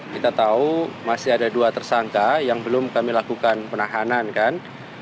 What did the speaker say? kita tahu masih ada dua tersangka yang belum kami lakukan penahanan kan